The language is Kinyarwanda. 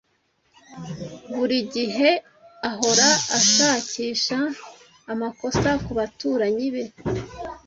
Buri gihe ahora ashakisha amakosa ku baturanyi be.